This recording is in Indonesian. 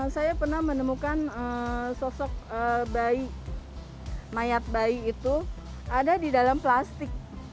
saya pernah menemukan sosok bayi mayat bayi itu ada di dalam plastik